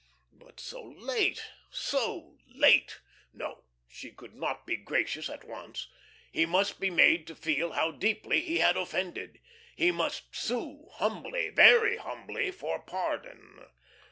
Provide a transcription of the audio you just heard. But so late, so late! No, she could not be gracious at once; he must be made to feel how deeply he had offended; he must sue humbly, very humbly, for pardon.